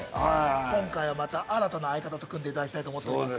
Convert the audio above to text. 今回はまた新たな相方と組んでいただきたいと思っております。